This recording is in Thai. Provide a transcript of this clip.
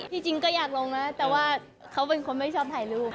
จริงก็อยากลงนะแต่ว่าเขาเป็นคนไม่ชอบถ่ายรูป